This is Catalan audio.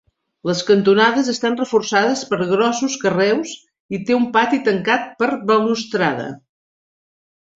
Les cantonades estan reforçades per grossos carreus i té un pati tancat per balustrada.